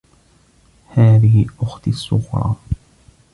هذه أختي الصغرى.